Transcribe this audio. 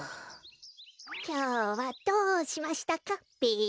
きょうはどうしましたかべ。